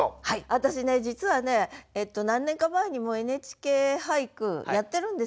私ね実はね何年か前にも「ＮＨＫ俳句」やってるんですよ。